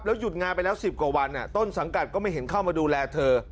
หยุดงานไปแล้ว๑๐กว่าวันต้นสังกัดก็ไม่เห็นเข้ามาดูแลเธอ